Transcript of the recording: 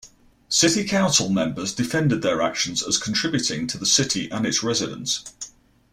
City councilmembers defended their actions as contributing to the city and its residents.